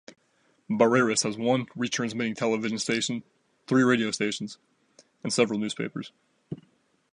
Barreiras has one retransmitting television station, three radio stations, and several newspapers.